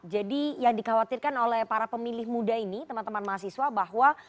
jadi yang dikhawatirkan oleh para pemilih muda ini teman teman mahasiswa bahwa